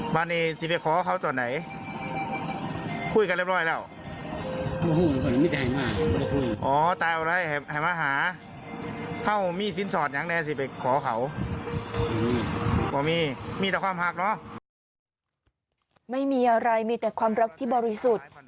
ไม่มีอะไรมีแต่ความรักที่บริสุทธิ์